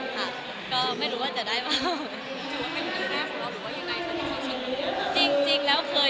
ค่ะก็วันนี้นะคะก็มาร่วมรุ้นนางวัลค่ะ